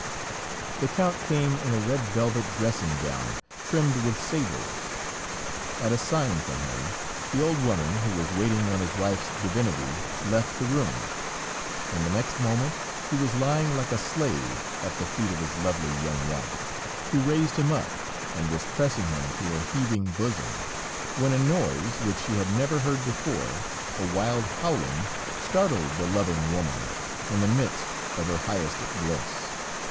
The Count came in a red velvet dressing gown trimmed with sable; at a sign from him, the old woman who was waiting on his wife's divinity left the room, and the next moment he was lying like a slave at the feet of his lovely young wife, who raised him up, and was pressing him to her heaving bosom, when a noise which she had never heard before, a wild howling, startled the loving woman in the midst of her highest bliss.